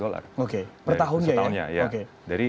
oke per tahunnya ya